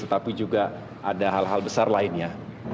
tetapi juga ada hal hal besar lainnya